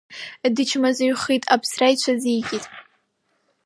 Дычмазаҩхыт, аԥсра иҽазикит.